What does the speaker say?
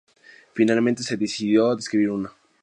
Finalmente se decidió escribir una.